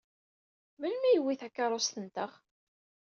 Melmi i yewwi takeṛṛust-nteɣ?